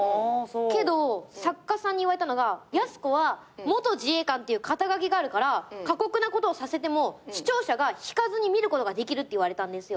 けど作家さんに言われたのが「やす子は元自衛官っていう肩書があるから過酷なことをさせても視聴者が引かずに見ることができる」って言われたんですよ。